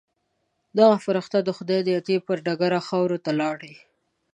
دغه فرښتې د خدای د عطیې پر ډګر خاورو ته لاړې.